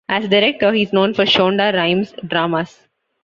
As director, he is known for Shonda Rhimes' dramas.